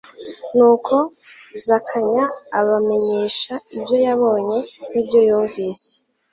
Nuko Zakanya abamenyesha ibyo yabonye n'ibyo yumvise.